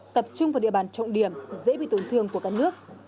tập trung vào địa bàn trọng điểm dễ bị tổn thương của cả nước